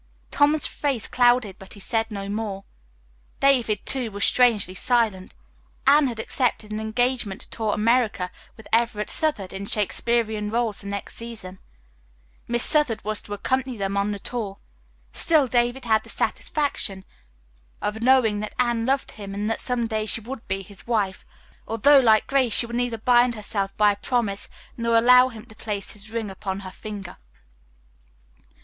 Tom's face clouded, but he said no more. David, too, was strangely silent. Anne had accepted an engagement to tour America with Everett Southard in Shakespearean roles the next season. Miss Southard was to accompany them on the tour. Still, David had the satisfaction of knowing that Anne loved him and that some day she would be his wife, although, like Grace, she would neither bind herself by a promise nor allow him to place his ring upon her finger.